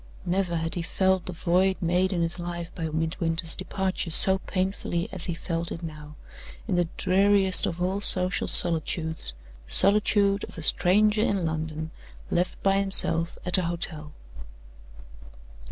Never had he felt the void made in his life by Midwinter's departure so painfully as he felt it now, in the dreariest of all social solitudes the solitude of a stranger in London, left by himself at a hotel.